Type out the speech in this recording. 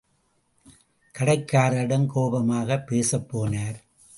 கடைக்காரரிடம் கோபமாகப் பேசப் போனார்.